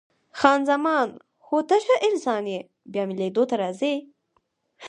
خان زمان: هو، ته ښه انسان یې، بیا مې لیدو ته راځې؟